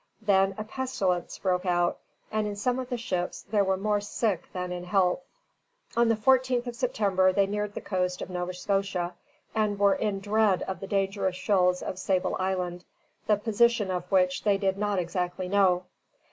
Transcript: Then a pestilence broke out, and in some of the ships there were more sick than in health. On the 14th of September they neared the coast of Nova Scotia, and were in dread of the dangerous shoals of Sable Island, the position of which they did not exactly know.